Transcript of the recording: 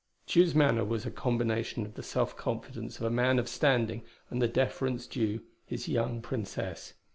Tugh's manner was a combination of the self confidence of a man of standing and the deference due his young Princess.